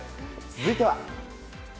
続いては。